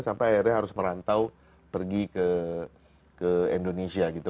sampai akhirnya harus merantau pergi ke indonesia gitu